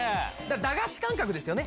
駄菓子感覚ですよね。